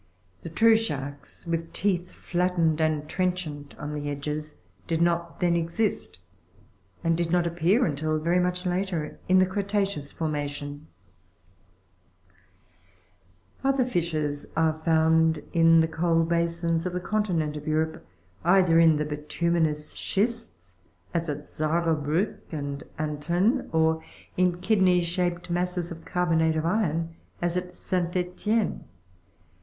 The true sharks, Fig. 50. Tooth of the w i t h teet h flattened Megalichthys Hibberti. and trenchar>t on tne edges, (Jig. 54), did not then exist, and did not appear until very much later in the creta'ceous formation. 16. Other fishes are found in the coal basins of the continent of Europe, either in the bituminous schists, as at Sarrebruck and at Antun, or in kidney shaped masses of carbonate of iron, as at Saint Etienne.